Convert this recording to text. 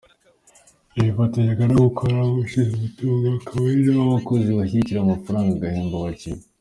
Yabifatanyaga no gukora nk’ushinzwe umutungo akaba ari nawe abayobozi bashyikiriza amafaranga agahemba abakinnyi.”